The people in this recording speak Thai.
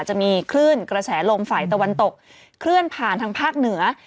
จะมีคลื่นกระแสลมฝ่ายตะวันตกเคลื่อนผ่านทางภาคเหนือ